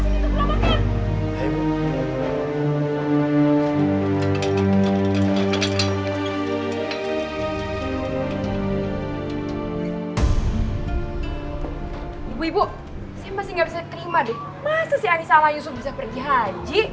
ibu ibu saya masih nggak bisa terima deh masa sih anissa awayusu bisa pergi haji